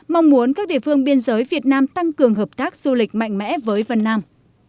mong muốn các địa phương biên giới việt nam tăng cường hợp tác du lịch mạnh mẽ với vân nam